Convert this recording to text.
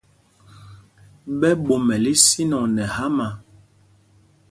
Ɓɛ ɓomɛl ísínɔŋ nɛ hámâ.